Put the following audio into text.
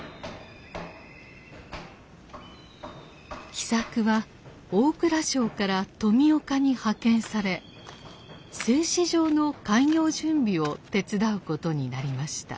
喜作は大蔵省から富岡に派遣され製糸場の開業準備を手伝うことになりました。